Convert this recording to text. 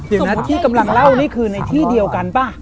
เดี๋ยวนะที่กำลังเล่านี่คือในที่เดียวกันป่ะ